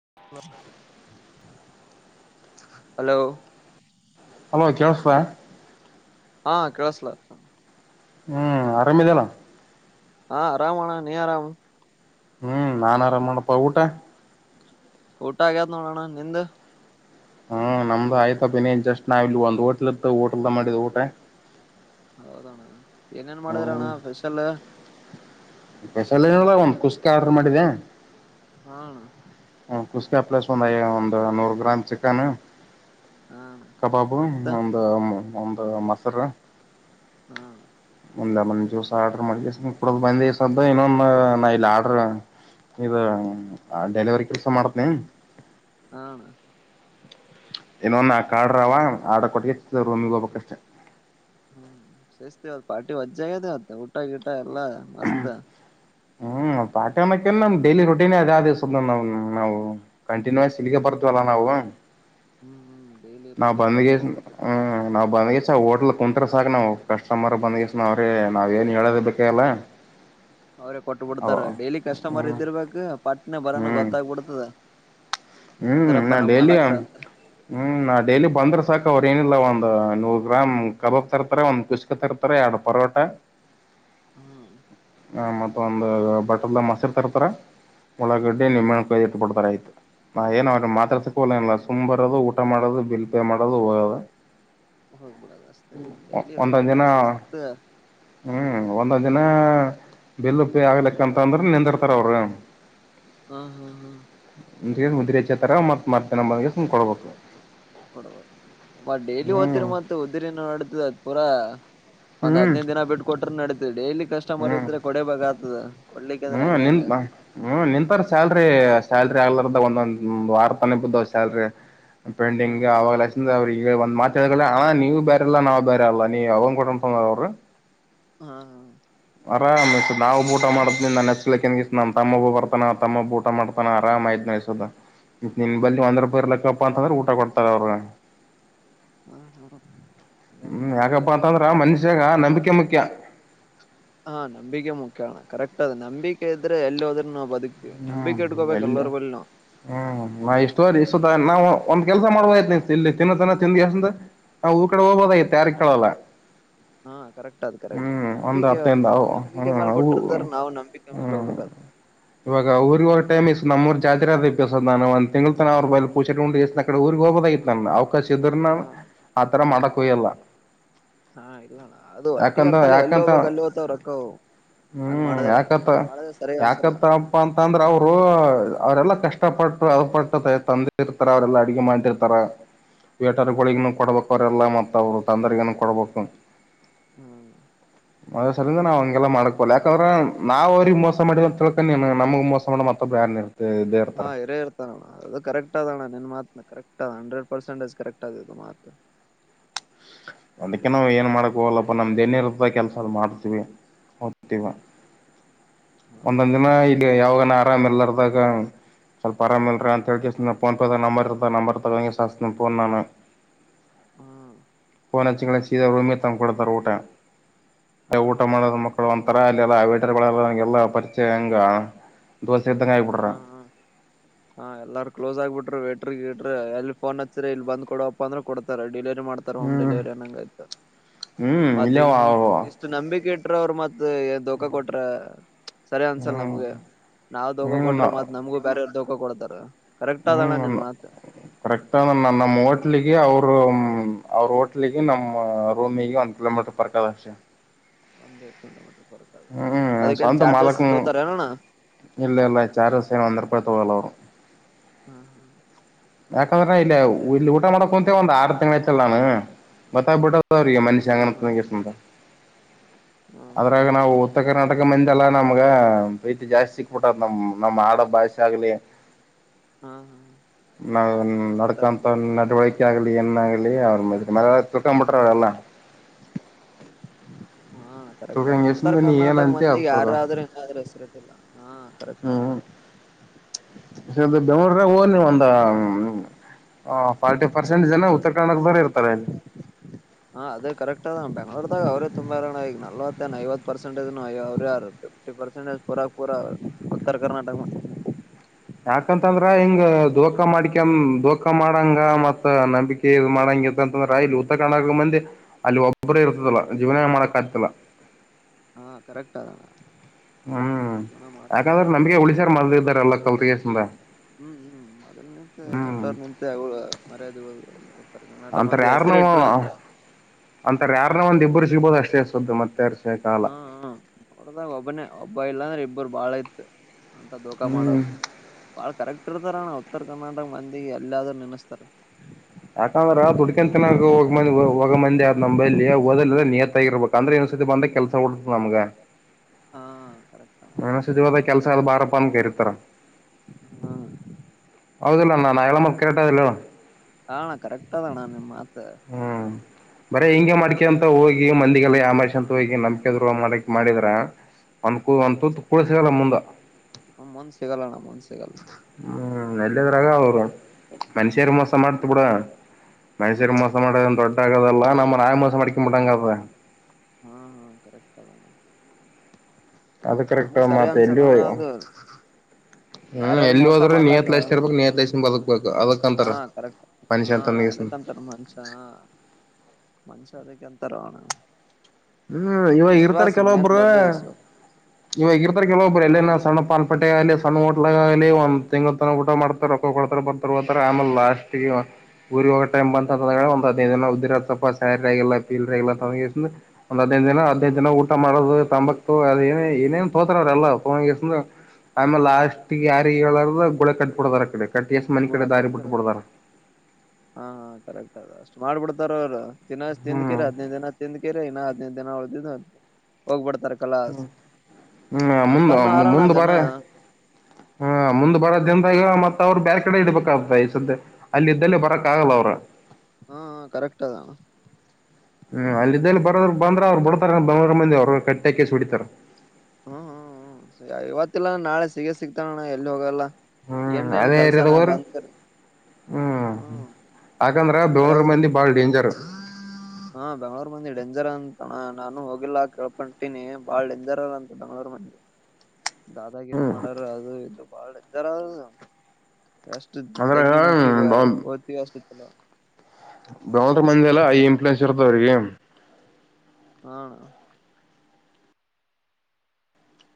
ಹ hello hello ಕೆಳಸ್ತ. ಹಾ ಕೇಳಸ್ಲ ಹ್ಮ್ ಆರಾಮದಿಲ್ಲ. ಹಾ ಆರಾಮಣ್ಣ ನೀ ಆರಾಮ್. ಹ್ಮ್ ನಾನ್ ಆರಾಮ್ ಮಾಡಪ್ಪ ಊಟ ಊಟ ಆಗ ನೋಡಣ ನಿಂದ ಹ್ಮ್ ನಮ್ದು ಆಯ್ತ ಬ ನೀೇನ್ ಜಸ್ಟ್ ನಾವ ಇಲ್ಲಿ ಒಂದ್ ಹೋಟ್ಲ್ ಇರ್ತ ಓಟಲ್ದ ಮಾಡಿದ ಊಟ ಹೌದಣ್ಣ ಏನೇನ್ ಮಾಡಿದ್ರಣ್ಣ ಹ್ಮ್ ಸ್ಪೆಷಲ್ ಸಾಲನ ಒಂದ್ ಕುಸ್ಕ ಆರ್ಡ್ರ್ ಮಾಡಿದೆ ಹ್ಮ್ಮ್ ಣ ಕುಸ್ಕಪ್್ಲಸ್ ಒಂದ ಒಂದು ನೂರು ಗ್ರಾಮ್ ಚಿಕನ್ ಹಣ ಕಬಬ್ ಮತ್ತ ಒಂದು ಒಂದು ಮಸರ ಹಾ ಮುಂದ ಅನ ಚೂಸ ಆರ್ಡರ್ ಮ ಇಡ ಬಂದ್ಸದ ಇಏ ನ ಇಲ್ಲಿ ಆರ್ಡರ್ ಇ ಡೆಲಿವರಿ ಕೆಲಸ ಮಾಡತನ ಹಣ ಏನೊನ್ ಆ ಕಾಡ್ರವ ಆಡ ಕೊಟ್ಟ ಇ ರೂಮಿಗೆ ಹೋಗ್ಕ್ಷ್ಟೆ ಹ್ಮ್ ಸೇಿಸ್ತವತ್ತು ಪಾರ್ಟಿ ವಜ್ಜಆಗ್ಯದ ಹೊತ್ತ ಉಊಟಾ ಗಿಟಾ ಎಲ್ಲಾ ಮಸ್ತ್ [inaudible] ಹ ಪಾಕಣಕನ್ ನಮ್ ಡೈಲಿ ರುಟೀನ್ ಅದಿವ ನಾವು ಕಂಟಿನ್ಯೂ ಸಿಲಿಗ ಬರ್ತವಲ್ಲ ನಾವು ಹ್ಮ್ ಹ್ಮ್ ಡೈಲಿ ನಾವು ರೋಟೀನ್ ಹಂಗ ಬಂದ್ಗೆ ಅದ ಹ್ಮ್ ನಾವು ಬಂದ್ಗೆ ಹೋಟ್ಲ್ ಕುಂತ್ ಸಾಕಕ್ ನಾವು ಕಸ್ಟಮರ್ ಬಂದಸ ನ ಅವ್ರೀ ನಾವ್ ಏನ್ ಹೇಳೋದ ಬೇಕಲ್ಲ ಅವ್ರೇ ಕೊಟ್ಟಬ ಬಿಡ್ತಾರ ಡೈಲಿ ಕಸ್ಟಮರ್ ಹ್ಮ್ ಇದ್ದಿರ್ಬೇಕಕ್ ಪಟ್ನೆ ಬರೋನ ಹ್ಮ್ ಗೊತ್ತಾಗಬಿಡ್ತದ ಹ್ಮ್ ನಾನ್ ಡೈಲಿ ಹ್ಮ್ ನಾ ಡೈಲಿ ಬಂದ್ರ ಸಾಕ ಅವ್್ರ ಏನಿಲ್ಲ ಒಂದು್ ನೂರು ಗ್ರಾಮ್ ಕಬಾಬ್ ತರ್ತಾರೆ ಒಂದ್ ಕುಷ್ಕ ತರ್ತಾರೆ ಎರಡು ಪರೋಟ ಹ್ಮ್ ಆ ಮತ್ತ ಒಂದು ಬಟರ್ಲ್ದ ಮೊಸಿರ್ ತರ್ತಾರ ಒಳ್ಳಾಗಡ್ಡೆ ಹ್ಮ್ ನಿಮಮ್ಮೆಣ ಕಾಯ್ದು ಇಟ್ಟಬ ಬಿಡ್ತಾರ ಆಯ್ತು ನಾ ಏನ ಅವ್ರೆ ಮಾತ್ರ ಸಿಕ್ಕೋಲಿಲ್ಲ ಸುಮ ಬರದು ಊಟ ಮಾಡೋದು ಬಿಲ್ ಪೇ ಮಾಡೋದು ಹೋಗೋದು ಹೋಗ್ಬಡದು ಅ ಡೈಲಿ ಒಂದೊಂದು ರೋಟೀನ್ ದಿನ ಸಿಸ್ತ್ ಹ್ಮ್ ಒಂದೊ್ ದಿನ ಬಲ್ ಪೇ ಆಗ್ಲಿಕ್ಕ ಅಂತ ಅಂದ್ರೆ ನಿಂದಿರ್ತಾರ ಅವರು ಹ್ಮ ಹಾ ಹಾ ಮುದ್ರೆಚ್ಚೆ ತರ ಮತ್ ಮರ್ತೇನ ಮ್ ಕೊಡ್ಬೇಕು ಕೊಡಬೋದು ಮ ಡೈಲಿ ಹದತ್ತಿರ್ ಹ್ಮ್ ಮತ್ತ ಉ್ದಿರಿನ ನಡತ ಅದ್ ಪೂರಾ ಒಂದ್ ಹ್ಮ್ ಹದ್ೈದು ದಿನ ಬಿಟ್ಟಕ ಕೊಟ್ರ ನಡೀತೇವಿ ಡೈಲಿ ಕಸ್ಟಮರ್ ಹ್ಮ್ ಇದ್ರೆ ಕೊಡಬೇಕ ಆತದ ಕೊಡ್ಲಿಕ್ಕಂದ್ರೆ ಹ್ಮ್ ಹಂಗ ನಿ ಹೆಂಗ ಹ್ಮ ನಿಂತಾರ ಸ್ಯಾಲ್ರಿ ಸ್ಯಾಲ್ರಿ ಆದ ಒಂದೊಂದ ವಾರ ತಾನ ಬ ಸಲ್ರಿ ಪೇಂಟಿಂಗ್ ಹ್ಮ್ ಅವಾಗ ಲ ಅವ್ರ ಈ ಒಂದ್ ಮಾತಾಡಲ್ಲ ಹಾ ನೀವು ಬೇರೆಲ್ಲಾ ನಾವು ಬೇರೆ ಅಲ್ಲ ನೀ ಅವ್ ಕೊಟಂದ ಅವ್ರರು ಹ್ಮ ಹಾ ಆರಾಮ ಸ ನಾವು ಊಟ ಮಾಡಿದ್ ನಿ ನನ್ನ ಿಸ ನ ತಮ್ಮಬ್ಬ ಬರ್ತಾನ ತಮ್ಮಬ್ ಊಟ ಮಾಡತಾನ ಆರಾಮಾಯ್ ನಸದ ನಿನ್ ಬಲ್ಲಿಿ ಒಂದ್ ಹಾ ರೂಪಾಯಿರ್ಲಿಕ್ಕಪ್ಪಾ ಅಂತಂದ್ರೆ ಊಟ ಕೊಡ್ತಾರೆ ಅವ್ರಗ ಹಾ ಹೌದು ಹ್ಮ್ ಯಾಕಪ್ಪಾ ಅಂತಂದ್ರ ಮನುಷ್ಯಾಗ ನಂಬಿಕೆ ಮುಖ್ಯ ಹಾ ನಂಬಿಕೆ ಮುಖ್ಯ ಕರೆಕ್ಟ್ ಅದ ನಂಬಿಕೆ ಇದ್ರೆ ಎಲ್ಲಿ ಹೋದ್ರೂ ನವು ಬ ಹ್ಮ್ ಎಲ್ಲ ಹ್ಮ್ ನಾ ಇಷ್ಟುವ ಸುದ ನಾವು ಒಂದ್ ಕೆಲಸ ಮಾಡಬೋಐತಿ ನೀ ಇಲ್ಲಿ ತಿನ್ನತನ್ನ ತಿಿಂದಿ ಅಷ್ಟ ಊರ್ ಕಡೆ ಹೋಗ್ೋದಐತಿ ಯಾರ ಕೇಳಲ್ಲ ಹಾ ಕರೆಕ್ಟ್ ಅದ್ ಕರೆಕ್ಟ್ ಹ್ಮ್ ಒಂದ್ ನಂಬಿಕೆ ಒಂದ ಹತ್ತೈಂದ ಅವು ನಂಬಿಕೆ ಹ್ಮ್ ಮೇಲೆ ಅವು ಕೊಟ್ಟಿರ್ತಾರ ನಾವು ನಂಬಿಕೆ ಮೇಲೆ ಹ್ಮ್ ಹೋಗ್ಬೇಕ [inaudible] ಇವಾಗ ಅವಊ್ರಗ ಒ ಟೈಮ್ ನಮ್ಮ್ರ ಚದ ನಾನ ಒಂದ ತಿಂಳ ತನ ಅವ್ರ ಬ ಪೂಗಸತೆ ಕಡೆ ಊರಿಗೆ ಹೋಗಬದ ಕ್ಕಸಿದ್ರನ ಹಾ ಆತರ ಮಾಡಕ್ ಹಯ್ಯಲ್ಲ ಹಾ ಇಲ್ಲಣ ಅದು ಒಟ್ಟಿಗೆ ಯಾಕಂದ ಹತ್ತಲ್ಲ ಎಲ್ಲಿ ಯಾಕಂತ ಹೋಗ್ಬೇಕ ಅಲ್ಲಿ ಹೋತವ್ ರೊಕ್ಕವು ಹಂಗ್ ಹ್ಮ್ ಮಾಡದಾರ ಹಂಗ್ ಮಾಡದ ಸರಿ ಅನ್ಸಲ್ಲ ಅಂದ್ರ ಅವ್ರು ಅವರೆೆಲ್ಲಾ ಕಷ್ಟಪಟ್ಟು ಅದು ಪಟ್ಟು ತಂದೆ ಇರ್ತಾರ ಅವರೆಲ್ಲಾ ಅಡುಗೆ ಮಾಡಿರ್ತಾರ [inaudible] ಅಣ್ಣ ಬೇಟರ್ಗಳಿಗ ಕರೆಕ್ಟ್ ಕೊಡ್ಬೇಕ. ಅವ್ರೆಲ್ಲ ಮತ್ತ ಅವ್ರು ತಂದ್ರಗಿನೂ ಕೊಡಬೇಕು. ಹ್ಮ್. ಅದ್ರ ಸಲ್ಲೆಗೆ ನಾವು ಹಂಗೆಲ್ಲ ಮಾಡಕೋಲ್ಲ ಯಾಕಂದ್ರ ನಾವ್ ಅವ್ರಿಗೆ ಮೋಸ ಮಾಡಿದ ಅಂತ ತಿಳ್ಕ ನಿನ್. ನಮ್ಗ ಮೋಸ ಮಾಡಿ ಮತ್ತೆ ಒಬ್ಬರು, ಹಾ ಹ ಇರೇ ಇರ್ತಾನ ಅಣ್ಣ ಅದು ಕರೆಕ್ಟ್ ಅದಣ್ಣ ನಿನ್ ಮಾತನ correct. Hundred percent is correct ಇದ್ ಮಾತ್. ಅದಕ್ಕೆ ನಾವವು ಏನ್ ಮಾಡಕ್ ಹೋಗಲ್ಲಪ್ಪ ನಮ್ದ ಏನ ಇರ್ತ ಕೆಲ್ಸ ಮಾಡ್ತೀವಿ ಹೋಗತೀವಿ. [inaudible] ಅಣ್ಣ ಒಂದೊಂದ್ ದಿನ ಕರೆಕ್ಟ್ ಅದ ಇಲ್ಲಿ ಯಾವಾಗನ ಆರಾಮ ಎಲ್ಲರ್ದಾಗ ಸ್ವಲ್ಪ, ಆರಾಮಲ್, ಹ್ಮ್ [unintelligible] ಫೋನ್ ಪೆದ್ಗ ನಂಬರ್ ಇರತದ ನಂಬರ್ ತೊಗೊಂಡುಗೆಸಿ ಅಚ್ತಿನಿ ಫೋನ್ ನಾನ್. ಹ್ಮ್. ಫಿನೇ ಹಚ್ಚೋನ ಸೀದಾ ರೂಮಿಗೆ ತಂದುಕೊಡ್ತಾರೆ. ಊಟ ಹಾ ಊಟ ಹಾ ಮಾಡೋ ಮಕ್ಕಳು ಒಂತರ ಅಲ್ಲೆಲ್ಲೇ, [unintelligible] ಎಲ್ಲಾರ ಕ್ಲೋಸ್ ಆಗ್ಬ ವೇಟ್ರ ಗಿಟ್ರ ಇಎಲ್ಲಿ ಫೋನ್ ಹಚ್ಚಿರಿ ಇಲ್ಲಿ ಬಂದ ಕೊಡಪ್ಪ ಅಂದ್ರೆ ಕೊಡ್ತಾರ. ಡಿಲರಿ ಮಾಡ್ತಾರೆ ಹೋಮ್ ಹ್ಮ್ ಡೆಲಿವರಿ ಅಂಗಯ್ತ ಹ್ಮ್ ಇಲ್ಲೇ ಮತ್ತೆ ಅವ ಇಷ್ಟು ನಂಬಿಕೆ ಇಟ, ಕೊಟ್ರ ಅವರು ಮತ್ ಏನ್ ದೋಖಾ ಕೊಟ್ರ, ಸರಿ ಅನ್ಸಲ್ ಹ್ಮ್ ನಮ್ಗೆ ನಾವ್ ದೋಖ ಹ್ಮ್ ಕೊಟ್ರ ಮತ್ ನಮ್ಗೂ ಬ್ಯಾರೆ ದೋಖ ಕೊಡ್ತಾರ. ಕರೆಕ್ಟ್ ಅದಣ್ಣ ಹ್ಮ್ ನಿನ್ ನ ಮಾತ್ ಕರೆಕ್ಟ್ ನನ್ನ ನಮ್ಮ ಹೋಟಲ್ಗಿ ಅವ್ರು, ಅವ ಅವ್ರ ಹೋಟ್ಲಿಗೆ ನಮ್ಮ್ ರೂಮಿಗೆ ಒಂದ್ ಕಿಲೋಮೀಟರ್ ಪರ್ಕದ ಅಷ್ಟೇ. [unintelligible] ಹ್ಮ್ ಅದಕ್ಕೇನ್ ಸ್ವಂತ ಚಾರ್ಜಸ್ ಮಾಲಕನು. ತೋತಾರ ಏನಣ್ಣ ಇಲ್ಲ ಇಲ್ಲ ಚಾರ್ಜ್ [unintelligible] ಒಂದ ರೂಪಾಯಿ ತೊಗಲ್ಲ ಅವುರು. ಹ್ಮ, ಹ ಯಾಕಂದ್ರೆ ಇಲ್ಲಿ ಇಲ್ಲಿ ಊಟ ಮಾಡಕೊಂತ ಒಂದ್ ಆರು ತಿಂಗ್ಳ ಆಯ್ತಾಲ್ಲ ನಾನ್. ಗತ್ತಬಿಟ್ಟ ಹಾ ಹಾ [unintelligible] ಹಾ ಹಾ ಅದ್ರಾಗ ನಾವು ಕರೆಕ್ಟ್ ಉತ್ತರ ಕರ್ನಾಟಕ ಮಂದ ಲ್ಲಾ ನಮ್ಗ ಪ್ರೀತಿ ಜಾಸ್ತಿ ಸಿಕ್ಬಿಟ್ಟದ ನಮ ನಮ್ ಆಡ ಭಾಷೆ ಆಗ್ಲಿ, ಹಾ ಹಾ ನ ನಡಕಂತ ನಡವಳಿಕೆ, ಆಗಲಿ ಎಣ್ಣ ಆಗಲಿ ಅವರು ಮ ಮ ತಿಳ್ಕೊಂಡ್ ಬಿಟ್ರ ಅವ್ರೆಲ್ಲ. ಹಾ ಅಣ್ಣ ಕರೆಕ್ಟ್ಗ ಉತ್ತರ ಕರ್ನಾಟಕ ಅದ್ ಮಂದಿಗೆ ಕಡ್ದ ಯಾರಾದ್ರೂ ಇನಾದ್ರೂ ಹೆಸಿರಿಟ್ಟಿಲ್ಲ. ಹಾ ಕರೆಕ್ಟ ಅದ. ಬೆಂಗ್ಳೂರ ಹೋಲಿ ಒಂದು ಫಾರ್ಟಿ ಪರ್ಸೆಂಟ್ ಜನ. [unintelligible] ಇರ್ತಾರೆ ಇಲ್ಲಿ ಹಾ ಅದೇ ಕರೆಕ್ಟ್ ಅದ ಬೆಂಗ್ಳೂರ್ದಾಗ ಅವ್ರೆ ತುಂಬ್ಯಾರಣ್. ಈಗ ನಲ್ವ ತ್ತ ಐವತ್ತ ಪರ್ಸೆಟೇಜ್ನು ಅವ್ರ ಯಾರ ಫಿಫ್ಟಿ ಪರ್ಸೆಟೇಜ್ ಪೂರಕ ಪೂರ ಉತ್ತರ ಕರ್ನಾಟಕ ಮಂಧಿನೇ. [inaudible] ಯಾಕಂತಂದ್ರ ಹಿಂಗ ದೋಕಾ ಮಾಡಿಕ ದೋಕಾ ಮಾಡಂಗ ಮತ್ ನಂಬಿಕೆ ಇದ್ ಮಾಡಾಂಗ, ಯಾಕಂತ ಅಂದ್ರ ಇಲ್ಲಿ ಉತ್ತರ ಕರ್ಡಟಕ ಮಂದಿ ಅಲ್ಲಿ ಒಬ್ಬರೇ ಇರ್ತದಲ್ಲ ಜೀವನ ಮಾಡಕ್ ಆಗತಿದಿಲ್ಲ. ಹಾ ಕರೆಕ್ಟ್, ಹ್ಮ್ ಜೀವನ ಮಾಡ್ತ ಯಾಕಾದ್ರೆ ನಮಗೆ ಹ್ಮ್ ಉಳಿಸಾರ್ ಮಿದ್ಳು ಇದ್ದವ್ರು ಕಲ್ತ್ಗೆಸಿಂದ. ಹ್ಮ್ ಹ್ಮ್ ಮೊದ್ಲ್ ನಿಂತ ಹ್ಮ್ ದೊಡ್ಡವ್ರ ನಿಂತೆ ಮರ್ಯಾದಿ ಉಳದದಾ. ಅಂತರ ಯಾರನೋ ಅಂತರ ಯಾರನ ಒಂದ ಇಬ್ಬರು ಸಿಗ್ಬೋದು ಅಷ್ಟೇಸ್ದು ಸುದ್ದು ಮತ್ ಯಾರ್ ಹ್ಮ ಹ್ಮ ಅವ್ರದಾಗ ಒಬ್ಬನೇ ಒಬ್ಬ ಇಲ್ಲಾಂದ್ರೆ ಇಬ್ಬರು ಬಾಳ ಐತ. ಅಂತ ದೋಖಾ ಹ್ಮ್ ಮಾಡೋರು ಬಾಳ್ ಕರಗ್ ಇಟ್ಟಿರ್ತಾರಣ್ಣ ಉತ್ತರ ಕರ್ನಾಟಕ ಮಂದಿಗೆ ಅಲ್ಲಾದ್ರೂ ನೆನಸ್ತಾರ. ಯಾಕಂದ್ರ ದುಡ್ಕನ್ ತಿನಂದ ಹೋಗ ಮಂದಿ ಆದ್ ನಂಬಲ್ಲಿ ಓದ ನಿಯತಗಿರ್ಬೇಕ. ಅಂದ್ರೆ, [unintelligible] ಹಾ, ಕರೆಕ್ಟ್ ಅಣ್ಣ ಇನ್ನೊಂದ್ ಕರೆಕ್ಟ್ ಸತಿ ಹೋದ್ರ ಕೆಲ್ಸ ಆದ ಬಾರಪ್ಪ ಅಂತ ಕರಿತಾರ. ಹ ಹೌದ ಇಲ್ಲ ಅಣ್ಣಾ ನಾ ಹೇಳು ಮಾತ್ ಕರೆಕ್ಟ್ ಅದ ಇಲ್ಲ ಅಣ್ಣಾ. ಹ ಅಣ್ಣಾ ಕರೆಕ್ಟ ಅದ ಅಣ್ಣಾ ನಿನ್ನ್ ಮಾತ. ಬರ ಹಿಂಗೆ ಮಾಡಿಕಂತ ಹೋಗಿ ಮಂದಿಗೆಲ್ಲ ಯಾಮಾರಿಷ್ ಅಂತ ಹೋಗಿ ನಂಬಿಕೆ ದ್ರೋಹ ಮಾಡಿಕ್ ಮಾಡಿದ್ರ ಅನ್ಕೂ ಒನ್ ತುತ್ತ್ ಕುಳ್ಳ ಸಿಗಲ್ಲ ಮುಂದ. ಹ್ಮು ಮುಂದ್ ಸಿಗಲ್ಲ್ ಅಣ್ಣಾ ಮುಂದ್ ಸಿ ಹ್ಮು ಎಲ್ಲಿದ್ರಾಗ ಅವರ ಮನುಷ್ಯರಿಗ್ ಮೋಸ ಮಾಡ್ತ ಬಿಡ. ಹಾ ಮನುಷ್ಯರಿಗೆ ಮಾಸ ಅಣ್ಣ [unintelligible] ನಮಗ ನಾವೇ ಮೋಸ [unintelligible] ಹಾ ಹಾ ಕರೆಕ್ಟ್ ಅದ ಅಣ್ಣಾ. ಅದು ಕರೆಕ್ಟ ಮತ್ತ್ ಎಲ್ಲು ಅನ್ಸಲ್ಲಣ್ಣ ಅದು ಹ್ಮು ಬ್ಯಾರಾರ್ ಎಲ್ಲು ಮೋಸ ಹೋದ್ರು ಮಾಡ್ಲಾಕ ನಿಯತ್ ಲೇಸ್ಟ್ ಇರ್ಬೇಕ್ ನಿಯತ್ ಲೇಸ್ಟ್ ಇಂದ ಬದಕ್ಬೇಕ ಹಾ ಅದಕ್ಂತಾರ್ ಕರೆಕ್ಟ್ ಹಾ ಅಣ್ಣಾ ಅದಕ್ಕಂತಾರ ಮನಷ್ಯ ಹಾ ಮನಷ್ಯ ಅದಕ್ಕೆಂತಾರೋ ಅಣ್ಣಾ. ಹ್ಮು ಇವಾಗ ಇರ್ತಾರ ಕೆಲವೊಬ್ರ ವಿಶ್ವಾಸ ಈಗ ಇರ್ತಾರೆ ಕೆಲವೊಬ್ಬರು ಹಾ ಎಲ್ಲೇನ ಅಣ್ಣ ಸಣ್ಣ ಪಾನ್ಪಟ್ಟೆ ಅಲ್ಲಿ ಸಣ್ಣ [unintelligible] [unintelligible] ಒಂದ ತಿಂಗ್ಳ್ ತನ ಊಟ ಮಾಡ್ತಾರ ರೊಕ್ಕ ಕೊಡ್ತಾರ ಬರ್ತಾರ ಬರ್ತಾರ ಆಮೇಲೆ ಲಾಸ್ಟ್ಗೆ [unintelligible] ಬಂದ ಒಂದ ಹದಿನೈದ ದಿನ ಉದ್ದರಿ [unintelligible] ಒಂದ್ ಹದ್ನೈದ ದಿನ ಹದನೈದ ದಿನ ಊಟ ಮಾಡೋದು ತಂಬಾಕ್ ತಗೋ ಅದ ಏನ ಏನೇನೋ ತೋಗೋತಾರ ಅವರ ಎಲ್ಲ ತಗೊಂಡ್ಸಿದ್ದ್ ಆಮೇಲೆ ಲಾಸ್ಟ್ ಯಾರಿಗೆ ಹೇಳಾರದ ಗೋಳ [unintelligible] ಆ ಕಡೆ. ಕಟ್ಟಿ ಎಷ್ಟ್ ಮನಿ ಗೋಳ ಕಡೆ ದಾರಿ ಕಟ್ಟಿರ ಬಿಟ್ಟು ಬಿಡ್ತಾರ [unintelligible] ಹಾ ಹಾ ಕರೆಕ್ಟ್ ಅದ ಅಷ್ಟು ಮಾಡ್ಬಿಡ್ತಾರ ಅವರ್. ತಿನಸ್ ತಿಂದಕಿರ್ ಹ್ಮ್ ಹದಿನೈದ ದಿನ ತಿಂದಕಿರ್ ಇನ್ನ ಹದಿನೈದ ದಿನ ಉಳದಿದ್ದ ಹೋಗ್ಬಿಡತ್ತ್. ಹ್ಮು ಹ್ಮು ಮುಂದ ಅಂತರ್ನು ಆರಣ ಮುಂದ ಜನ ಬಾರ. ಹಾ ಮುಂದ್ ಬರೋದಿಂದ್ ಹೇಳ ಮತ್ತ್. ಮತ್ತ ಅವ್ರ ಬ್ಯಾರೆ ಕಡೆ ಇಡ್ಬೇಕಾಗತ ಸದ್ದೆ ಅಲ್ಲಿ ಇದ್ದಲ್ಲಿ ಬರಕಾಗಲ್ಲ ಅವ್ರ್. ಹಾ ಹಾ ಕರೆಕ್ಟ್ ಅದ್. ಹ್ಮು ಅಲ್ಲಿದ್ದಲ್ಲಿ ಬರೋದ್ರ ಬಂದ್ರ ಅವ್ರು ಬಿಡ್ತಾರ ಬೆಂಗಳೂರ್ ಮಂದಿ ಅವ್ರ ಕಟ್ಟ್ಯಾಕಿಸೋಡಿತಾರ. ಹ್ಮು ಹ್ಮು ಹ್ಮು ಇವತ್ತಲ್ಲಾನ ನಾಳೆ ಸಿಗ ಸಿಗ್ತಾನ್ ಅಣ್ಣಾ ಎಲ್ಲಿ ಹೋಗಲ್ಲ. ಹ್ಮ್ ಏನ್ರ ಏನ್ ಅದೇ ಏರಿಯಾದಾಗ ಕೆಲ್ಸನ ಹೋದ್ರ ಬಂದರೆ ಹ್ಮ್ ಹ್ಮು. ಯಾಕಂದ್ರ ಬೆಂಗಳೂರ್ ಮಂದಿ ಬಾಳ್ ಡೇಂಜರ್. ಅಣ್ಣಾ ನಾನು ಹೋಗಿಲ್ಲಾ ಕೇಳ್ಕೊಂತಿನಿ ಬಾಳ್ ಡೇಂಜರ್ ಅದ್ ಅಂತ ಬೆಂಗ್ಳೂರ್ ಮಂದಿ. ದಾದಾಗಿರಿ ಮಾಡೋರ್ ಅದು ಇದು ಬಾಳ [unintelligible] ಅದು. ಎಷ್ಟು ಅಂದ್ರ ತಗ್ಗಿ ಮುಕ್ಕಿ ಹೊತ್ತಿವಿ ಅಷ್ಟ್ ಚಲೋ. ಬೆಂಗಳೂರು ಮಂದಿ ಎಲ್ಲ ಐ ಇನ್ಫ್ಲೂಯೆನ್ಸ್ ಇರ್ತದ ಅವ್ರಿಗೆ ಹಾ ಅಣ್ಣಾ.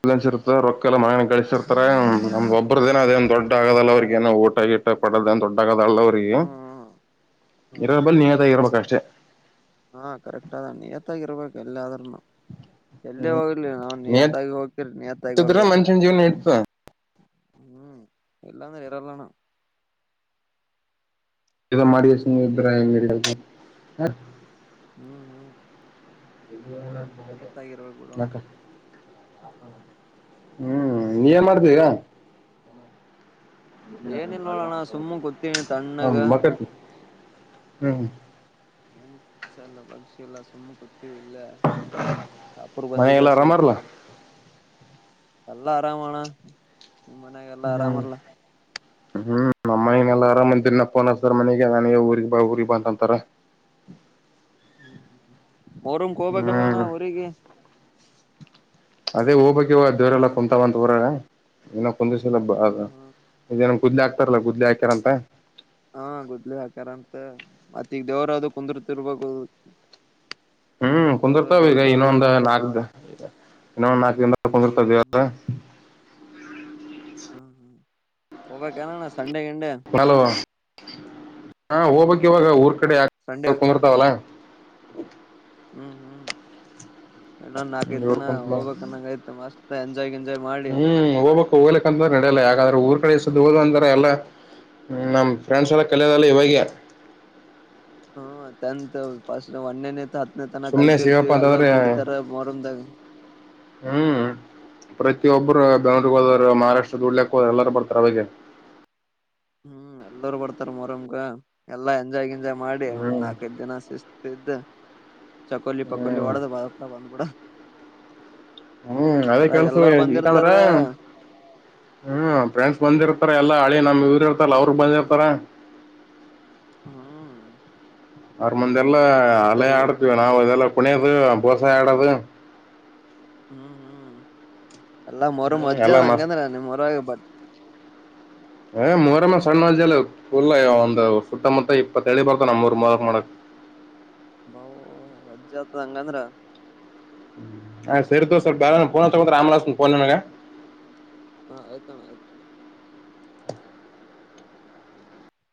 ಬ್ಯಾಲೆನ್ಸ್ ಇರ್ತ ರೊಕ್ಕ ಎಲ್ಲ ಮಾಡಿ ಗಳಿಸಿರ್ತಾರ ನಮ್ದ್ ಒಬ್ಬರದೇನ್ ಅದೇನ್ ದೊಡ್ಡಗೋದಲ್ಲ ಅವ್ರಿಗೆ ಏನು ಊಟ [unintelligible] ಇಟ್ಟ ಪಡೋದೇನ್ ದೊಡ್ಡಾಗದಲ್ಲ ಅವ್ರಿಗೆ ಹ್ಮ್ ಹ್ಮ್ ಇರೋದಲ್ಲಿ ನಿಯತ್ತಾಗಿ ಇರ್ಬೇಕಷ್ಟೇ. ಹಾ ಕರೆಕ್ಟ್ ಅದಾನೆ ನಿಯತ್ತಾಗಿ ಇರ್ಬೇಕು ಎಲ್ಲಾದ್ರೂನು. ಎಲ್ಲೇ ಹೋಗ್ಲಿ ಅವ್ ನಿಯತ್ತಾಗಿ ಹೋಗ್ತಿರಿ ನಿಯತ್ತಾಗಿ ನಿಯತ್ತಿದ್ರ ಬರ್ಬೇಕ್. ಮನುಷ್ಯನ ಜೀವನ ನಡಿತದ ಹ್ಮು ಇಲ್ಲಾಂದ್ರ ಇರಲ್ಲ ನಾವ್. ಇದ್ [unintelligible] ಹ್ಮು ಹ್ಮು. ಬಿಡೋಣ ಯಾಕ್ ಹ್ಮು ನೀ ಏನ್ ಮಾಡ್ತಿ ಈಗ. ಏನಿಲ್ಲ ನೋಡೋಣ ಸುಮ್ಮ್ ಗೊತ್ತೀನಿ ತಣ್ಣಗ ಅವನ್ ಮಕಕ್. ಹ್ಮು ಏನ್ ಸಲ್ಲ ಪಕ್ಷಿ ಇಲ್ಲ ಸುಮ್ಮ ಕೂತ್ತಿವಿ ಇಲ್ಲ. ಶಾಪೂರ್ ಬಂದಿದೆ ಮನೆಗೆಲ್ಲ ಸ್ವಲ್ಪ. ಆರಾಮರ್ಲ್ಲ ಎಲ್ಲ ಆರಾಮ ಅಣ್ಣಾ ನಿಮ್ಮ ಮನ್ಯಾಗ್ ಎಲ್ಲ ಆರಾಮರ್ಲ್ಯಾ. ನಮ್ಮನೆಲ್ಲ ಆರಾಮಂದನಪ್ಪ ಅನಸ್ತಾರ ಮನೆಗೆ ನನಗೆ ಊರಿಗಿ ಬಾ ಊರಿಗಿ ಬಾ ಅಂತಾರ. ಹ್ಮು ಹ್ಮು ಮೊಹರಂಕ್ ಹೋಗ್ಬೇಕಲ್ಲ ಅಣ್ಣಾ ಹ್ಮ್ ಊರಿಗಿ. ಅದೇ ಹೋಗ್ಬೇಕ್ ಇವಾಗ್ ದೇವರ್ ಎಲ್ಲಾ ಕುಂತಾವ್ ಅಂತ ಊರಾಗ್ ಇನ್ನ್ ಕುಂದ್ರಸಿಲ್ಲ ಹ ಅಂತ ಅದ್ ಏನೋ ಗುದ್ಲಿ ಹಕ್ತಾರಲ್ಲ ಗುದ್ಲಿ ಹಾಕ್ಯಾರ ಅಂತ. ಹಾ ಗುದ್ಲಿ ಹಾಕಾರ ಅಂತೆ ಮತ್ತ್ ದೇವರ್ ಅದು ಕುಂದುರ್ತಿಬೇಕು ಹ್ಮ್ ಮಾರಮ್ಮ ದೇವರು ದೊಡ್ಡ ದೇವ್ರು ಇತರ ಬಿಡು ಇನ್ನ ನಾಲ್ಕು ದಿನ ಕೂಂದ್ಸತ್ತಾರ ದೇವ್ರನ ಹ್ಮ ಹ್ಮ ಹೋಗಬೇಕ್ ಅಣ್ಣ ಸಂಡೆ ಗಿಂಡೆ ಹಲೋ ಹಾ ಹೋಗಬೇಕ್ ಇವಾಗ ಊರ್ ಕಡೆ ಸಂಡೆ ಯಾಕ್ ಕುಂಬರ್ತಾವಲ್ಲ ಹ್ಮ್ ಹ್ಮ್ ಇನ್ನೊಂದು ನಾಲ್ಕೈದ್ ಇವ್ರ ದಿನ ಕುಂತ ಹೋಗ್ಬೇಕ್ ಅನಂಗಾಯ್ತು ಮಸ್ತ್ ಎ ಹ್ಮ್ ಹೋಗ್ಬೆ ಹೋಗ್ಲಕ್ಕ ಅಂದ್ರೆ ನಡೆಯಲ್ಲ ಯಾಗಾದ್ರೂ ಊರ್ ಕ ಹೋದು ಅಂತಾರೆ ಎಲ್ಲಾ ನಮ್ ಫ್ರೆಂಡ್ಸ್ ಎಲ್ಲ ಕಲಿಯೋದೆಲ್ಲ ಇವಾಗ ಹ್ಮ ತೆಂತು ಪಸ್ಟ್ ಒನೆನ್ ಹತ್ ತನ ಸುಮ್ನೆ ಸಿಗಪ್ಪ ಕಲ್ತಿರ್ತಿವಿ ಅಂತಂದ್ರ ಎಲ್ಲರೂ ಕುಡಿತಾರ ಮೊರಂದಾಗ ಹ್ಮ್ ಪ್ರತಿಯೊಬ್ಬರ್ ಬೆಂಗಳೂರು ಹೋದರು ಮಾರಾಷ್ಟ್ರ ದುಡ್ಲಕ್ ಹೋದರು ಎಲ್ಲರೂ ಬರ್ತಾರೆ ಅವಾಗೆ ಹ್ಮ್ ಎಲ್ಲರೂ ಬರ್ತಾರ ಮೊರಮ್ ಗ ಎಲ್ಲಾ ಎಂಜಾಯ್ಗ್ ಜಾಯ್ ಮಾಡಿ ಒಂದ್ ಹ್ಮ್ ನಾಲ್ಕೈದು ದಿನ ಶಿಸ್ತ್ ಇದ್ದು ಚಕೋಲ್ಲಿ ಪಕೋಲ್ಲಿ ಹ್ಮ್ ಒಡದು ಬತ್ತ ಬಂದುಬೂಡೊ ಹ್ಮ್ ಅದೇ ಕೆಲಸ ಎಲ್ಲರು ಬಂದಿರ್ತಾರ ಈಕಂದ್ರೆ ಹ್ಮ್ ಫ್ರೆಂಡ್ಸ್ ಬಂದಿರ್ತಾರ ಎಲ್ಲಾ ಹಳಿ ನಮ್ ಇವ್ರ ಇರ್ತಾರಲ್ಲ ಅವ್ರ ಬಂದಿರ್ತಾರ ಹ್ಮ್ ಅರ ಮುಂದೆಲ್ಲ ಹೌದಲ್ಲಿ ಅಲೆ ಗೆಳತಿಯರ್ ಆಡ್ತೀವಿ ಗೆಳತಿಯರ್ ನಾವು ಅದೆಲ್ಲ ಕುಣಿಯದು ಬೋಸೆ ಆಡೋದೆನ್ ಹ್ಮ್ ಹ್ಮ್ ಎಲ್ಲಾ ಮೊರಮ್ ಹ್ಮ್ ಅಜ್ಜಾ ಎಲ್ಲಾ ಅ ಮಸ್ತ್ ಅಂಗಂತ ಮೊರ ಆ ಬಟ್ ಏ ಮೂರಮ್ಮ ಸಣ್ಣ ಮಂಜಲೂ ಫುಲ ಒಂದು ಸುತ್ತಮುತ್ತ ಇಪ್ಪತ್ತು ಹಳ್ಳಿ ಬರ್ತವ ನಮ್ಮೂರು ಮೋರಮ್ ನೋಡಕ. ಬಾವ್ ಅಜ್ಜ್ ಆಗ್ತದ ಹಂಗಂದ್ರೆ ಹ ಸರಿ ದೋಸ್ತ ಬೇರವರು ನಾನ್ ಪೋನ್ ತಗೋತ್ತಾರ ಆಮೇಲ್ ಹಚ್ಚತ್ತೀನಿ ಪೋನ್ ನಿನಗ ಹಾ ಆಯ್ತ್ ನೋಡ